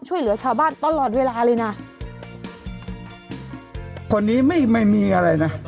ช่วยเหลือชาวบ้านตลอดเวลาเลยน่ะคนนี้ไม่ไม่มีอะไรนะ